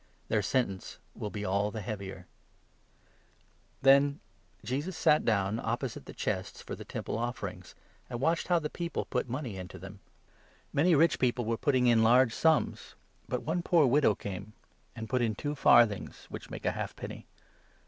Their sentence will be all the heavier. " The widows Then Jesus sat down opposite the chests for 41 offering, the Temple offerings, and watched how the people put money into them. Many rich people were putting in large sums ; but one poor widow came and put in two 42 farthings, which make a half penny.